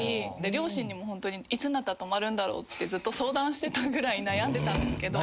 両親にもいつになったら止まるんだろうってずっと相談してたぐらい悩んでたんですけど。